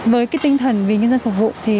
với tinh thần vì nhân dân phục vụ